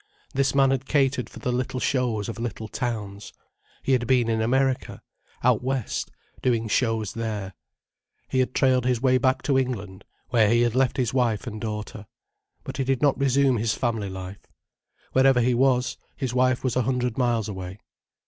This man had catered for the little shows of little towns. He had been in America, out West, doing shows there. He had trailed his way back to England, where he had left his wife and daughter. But he did not resume his family life. Wherever he was, his wife was a hundred miles away.